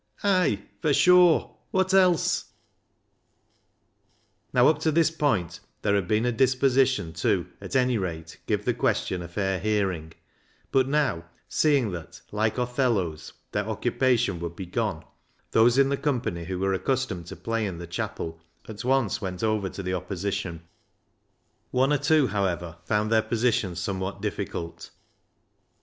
" Ay, fur shure ! Wot else ?" Now, up to this point there had been a dis position to at any rate give the question a fair hearing, but now, seeing that, like Othello's, their occupation would be gone, those in the company who were accustomed to play in the chapel at once went over to the opposition. THE HARMONIUM 343 One or two, however, found their positions somewhat difficult.